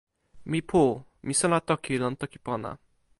mi pu. mi sona toki lon toki pona.